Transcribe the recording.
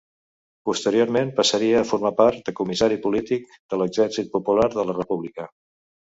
Posteriorment passaria a formar part de comissari polític de l'Exèrcit Popular de la República.